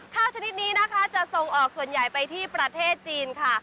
ชนิดนี้นะคะจะส่งออกส่วนใหญ่ไปที่ประเทศจีนค่ะ